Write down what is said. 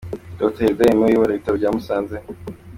Dr Hirwa Aimé Uyobora ibitaro bya Musanze